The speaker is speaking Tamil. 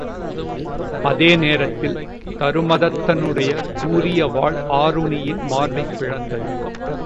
அந்த நேரத்தில் தருமதத்தனுடைய கூரிய வாள் ஆருணியின் மார்பைப் பிளந்தது.